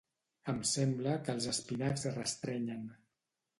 Em sembla que els espinacs restrenyen